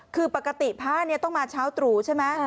คือปกติผ้านี้ต้องมาเช้าตรู่ใช่ไหม